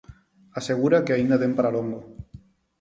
Asegura que aínda ten para longo.